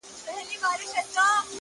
دي مــــړ ســي;